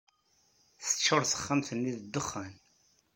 Teččur texxamt-nni d ddexxan.